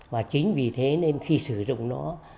và chính vì thế nên khi sử dụng nó